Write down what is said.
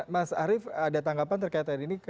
mas arief ada tanggapan terkaitan ini